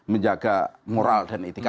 menjaga moral dan etika